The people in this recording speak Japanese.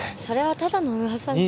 それはただの噂。